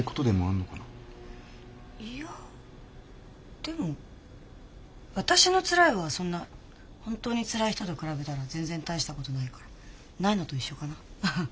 いやでも私のつらいはそんな本当につらい人と比べたら全然大したことないからないのと一緒かなハハ。